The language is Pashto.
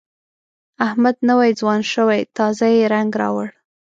احمد نوی ځوان شوی، تازه یې رنګ راوړ.